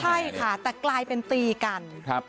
ใช่ค่ะแต่กลายเป็นตีกัน